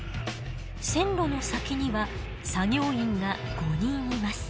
線路の先には作業員が５人います。